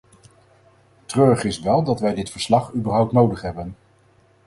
Treurig is wel dat wij dit verslag überhaupt nodig hebben.